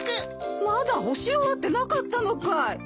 まだ干し終わってなかったのかい。